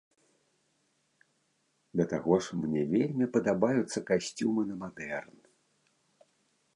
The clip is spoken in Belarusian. Да таго ж мне вельмі падабаюцца касцюмы на мадэрн.